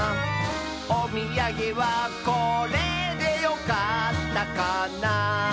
「おみやげはこれでよかったかな」